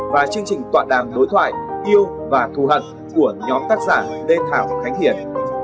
và chương trình tọa đàm đối thoại yêu và thù hận của nhóm tác giả đên thảo khánh hiền